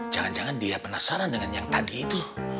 jangan jangan dia penasaran dengan yang tadi itu